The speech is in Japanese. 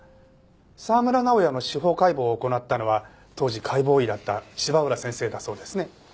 沢村直哉の司法解剖を行ったのは当時解剖医だった芝浦先生だそうですね。